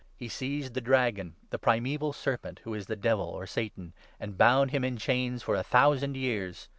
He 2 seized the Dragon, the primeval Serpent (who is the ' Devil ' or ' Satan '), and bound him in chains for a thousand years.